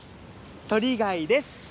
鳥貝です。